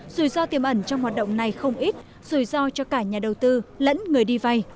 rủi ro tiềm ẩn trong hoạt động này không ít rủi ro cho cả nhà đầu tư lẫn người đi vay